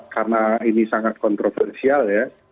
karena ini sangat kontroversial